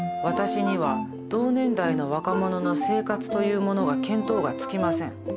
私には同年代の若者の生活というものが見当がつきません。